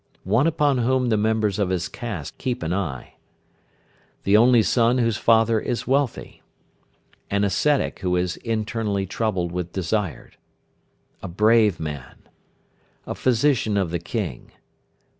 One upon whom the members of his caste keep an eye. The only son whose father is wealthy. An ascetic who is internally troubled with desire. A brave man. A physician of the King.